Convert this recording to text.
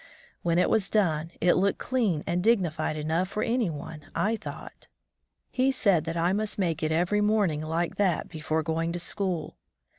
When it was done it looked clean and dignified enough for any one, I thought. He said that I must make it every morning like that before going to school.